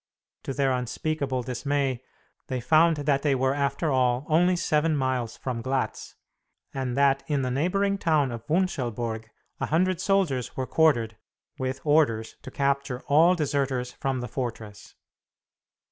To their unspeakable dismay, they found that they were, after all, only seven miles from Glatz, and that in the neighboring town of Wunschelburg a hundred soldiers were quartered, with orders to capture all deserters from the fortress.